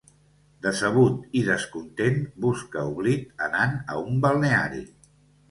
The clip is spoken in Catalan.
Decebut i descontent, busca oblit anant a un balneari.